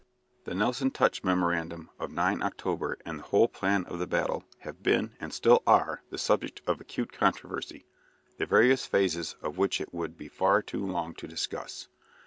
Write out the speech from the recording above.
The "Nelson touch" memorandum of 9 October and the whole plan of the battle have been, and still are, the subject of acute controversy, the various phases of which it would be far too long to discuss.